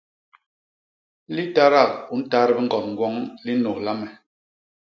Litadak u ntat biñgond gwoñ li nnôlha me.